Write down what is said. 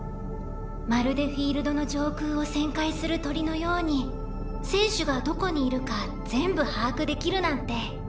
まるでフィールドの上空を旋回する鳥のように選手がどこにいるか全部把握できるなんて。